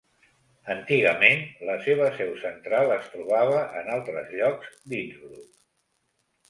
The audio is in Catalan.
Antigament la seva seu central es trobava en altres llocs d'Innsbruck.